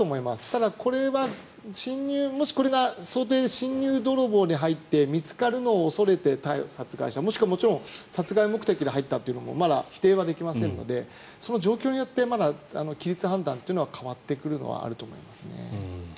ただ、これは侵入もしこれが、侵入泥棒に入って見つかるのを恐れて殺害した、もちろん殺害目的で入ったというのもまだ否定はできませんのでその状況によって規律判断というのは変わってくるのはあると思いますね。